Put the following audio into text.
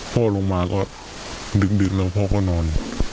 พ่อลงมาก็ดึกแล้วพ่อก็นอน